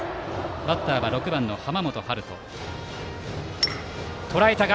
バッターは６番の濱本。